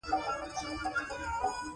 زمونږ سیاره د لمر شاوخوا ګرځي.